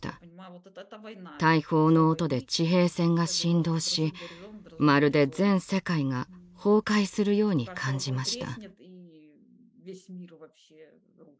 大砲の音で地平線が震動しまるで全世界が崩壊するように感じました。